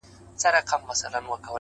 o هغه د هر مسجد و څنگ ته ميکدې جوړي کړې؛